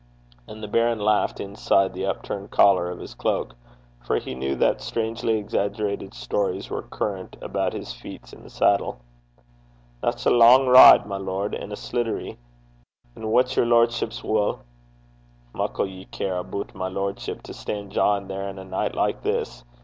And the baron laughed inside the upturned collar of his cloak, for he knew that strangely exaggerated stories were current about his feats in the saddle. 'That's a lang ride, my lord, and a sliddery. And what's yer lordship's wull?' 'Muckle ye care aboot my lordship to stand jawin' there in a night like this!